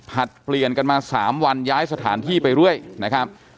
เปลี่ยนกันมา๓วันย้ายสถานที่ไปเรื่อยนะครับ